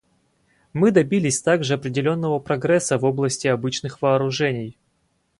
Мы добились также определенного прогресса в области обычных вооружений.